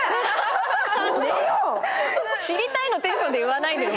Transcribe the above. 知りたいのテンションで言わないで。